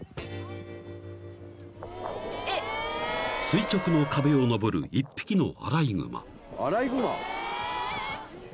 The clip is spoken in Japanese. ［垂直の壁を登る一匹のアライグマ］